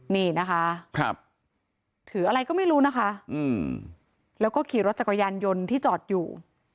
นี่นะคะถืออะไรก็ไม่รู้นะคะแล้วก็ขี่รถจักรยานยนต์ที่จอดอยู่